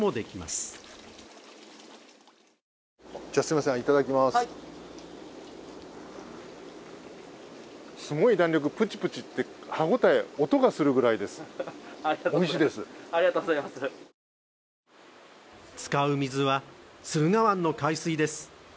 すごい弾力、プチプチいって、音がするぐらいです、おいしいです使う水は駿河湾の海水です。